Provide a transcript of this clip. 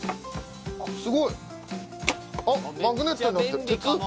すごいあっマグネットになってる鉄？